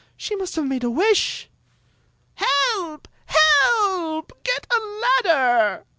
She must have made a wish!" ••Help! Help! Get a ladder!"